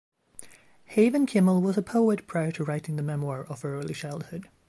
Haven Kimmel was a poet prior to writing the memoir of her early childhood.